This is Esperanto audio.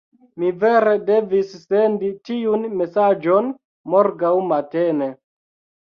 Mi vere devis sendi tiun mesaĝon morgaŭ matene.